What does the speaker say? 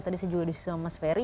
tadi saya juga disusul sama mas ferry